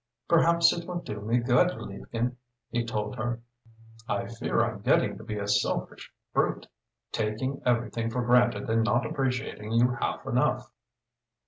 "Perhaps it will do me good, liebchen," he told her. "I fear I'm getting to be a selfish brute taking everything for granted and not appreciating you half enough."